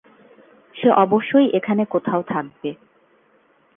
সে অবশ্যই এখানে কোথাও থাকবে।